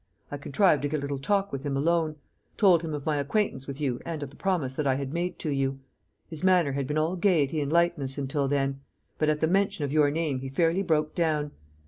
I contrived to get a little talk with him alone told him of my acquaintance with you and of the promise that I had made to you. His manner had been all gaiety and lightness until then; but at the mention of your name he fairly broke down.